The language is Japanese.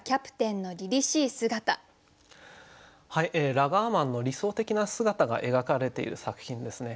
ラガーマンの理想的な姿が描かれている作品ですね。